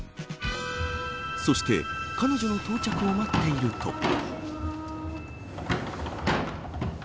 そして彼女の到着を待っていると。